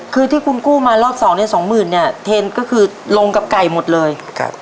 คือที่คุณกู้มารอบสองเนี่ยสองหมื่นเนี่ยเทนก็คือลงกับไก่หมดเลยครับ